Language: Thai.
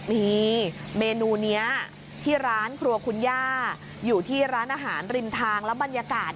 มีเมนูนี้ที่ร้านครัวคุณย่าอยู่ที่ร้านอาหารริมทางแล้วบรรยากาศ